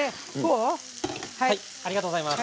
ありがとうございます。